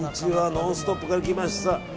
「ノンストップ！」から来ました。